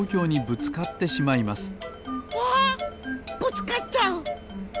ぶつかっちゃう！